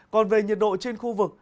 còn về nhiệt độ trên khu vực